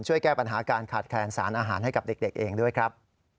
ช่วยแก้ปัญหาการขาดแคลนสารอาหารให้กับเด็กเองด้วยครับ